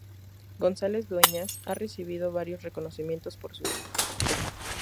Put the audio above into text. González Dueñas ha recibido varios reconocimientos por su obra.